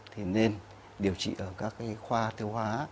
thì nên điều trị ở các khoa tiêu hóa